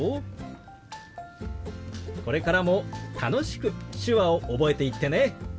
これからも楽しく手話を覚えていってね。